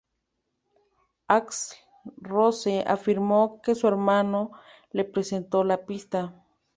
Axl Rose afirmó que su hermano le presentó la pista.